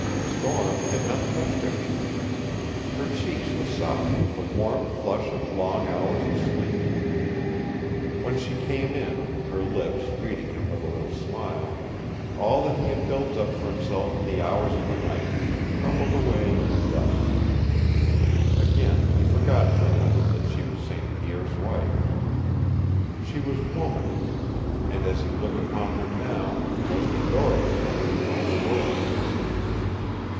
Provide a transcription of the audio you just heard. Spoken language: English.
Storm had not touched her. Her cheeks were soft with the warm flush of long hours of sleep. When she came in, her lips greeting him with a little smile, all that he had built up for himself in the hours of the night crumbled away in dust. Again he forgot for a moment that she was St. Pierre's wife. She was woman, and as he looked upon her now, the most adorable woman in all the world.